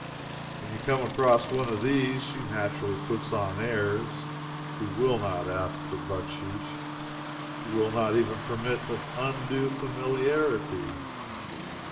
When you come across one of these, she naturally puts on airs. She will not ask for bucksheesh. She will not even permit of undue familiarity.